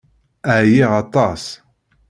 Ɛyiɣ aṭas.